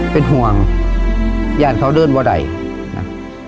เป็นห่วงอย่างเขาเดินว่าไหร่นะ